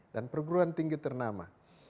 dan perguruan tinggi ternama